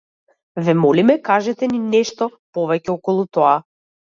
Ве молиме кажете ни нешто повеќе околу тоа.